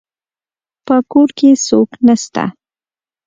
په کور کي څوک نسته